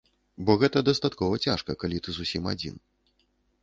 Бо гэта дастаткова цяжка, калі ты зусім адзін.